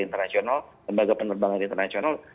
internasional lembaga penerbangan internasional